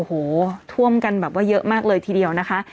โอ้โหท่วมกันแบบว่าเยอะมากเลยทีเดียวนะคะ